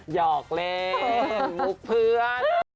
หอกเล่นมุกเพื่อน